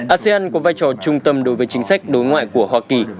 asean có vai trò trung tâm đối với chính sách đối ngoại của hoa kỳ